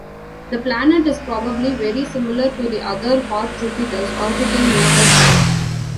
The planet is probably very similar to the other "hot Jupiters" orbiting nearby stars.